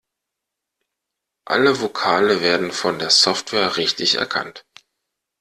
Alle Vokale werden von der Software richtig erkannt.